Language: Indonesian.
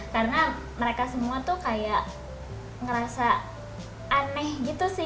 karena mereka semua tuh kayak ngerasa aneh gitu sih